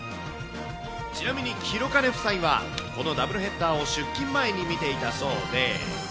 ちなみに廣兼夫妻はこのダブルヘッダーを出勤前に見ていたそうで。